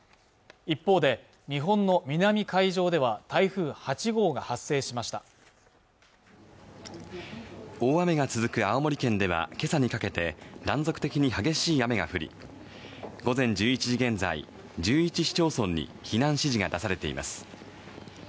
一方で日本の南海上では台風８号が発生しました大雨が続く青森県ではけさにかけて断続的に激しい雨が降り午前１１時現在１１市町村に避難指示が出されています